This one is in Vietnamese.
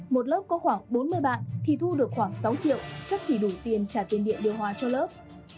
một lớp có khoảng bốn mươi bạn thì thu được khoảng sáu triệu chắc chỉ đủ tiền trả tiền điện điều hòa cho lớp